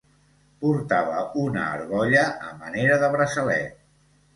Portava una argolla a manera de braçalet.